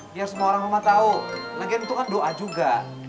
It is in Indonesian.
biar semua orang rumah tahu legenda itu kan doa juga